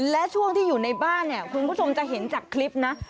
และช่วงที่อยู่ในบ้านเนี่ยคุณผู้ชมจะเห็นจากคลิปนะ